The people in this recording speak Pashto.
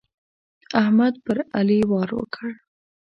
احمد پر علي وار وکړ.